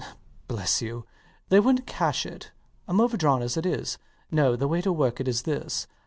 LOUIS. Bless you! they wouldnt cash it: I'm overdrawn as it is. No: the way to work it is this.